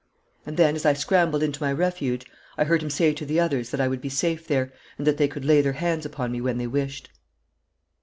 And then, as I scrambled into my refuge, I heard him say to the others that I would be safe there, and that they could lay their hands upon me when they wished.